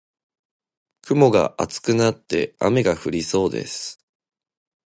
雲が厚くなって雨が降りそうです。